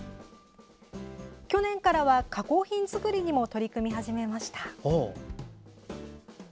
去年からは加工品作りにも取り組み始めました。